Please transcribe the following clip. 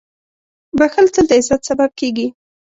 • بښل تل د عزت سبب کېږي.